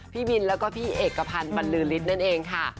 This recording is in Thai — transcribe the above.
พี่บินแล้วก็พี่เอกพันธ์บรรลือฤทธิ์นั่นเองค่ะ